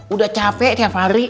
udah capek tiap hari